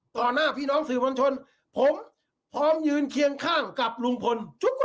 หน้าพี่น้องสื่อมวลชนผมพร้อมยืนเคียงข้างกับลุงพล